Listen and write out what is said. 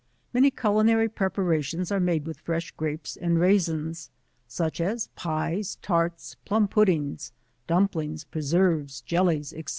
Many culinary preparations are made with fresh Grapes and Raisins, such as pies, tarts, plumb puddings, dumplings, preserves, jellies, &c.